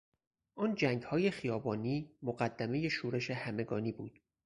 آن جنگهای خیابانی مقدمهی شورش همگانی بود.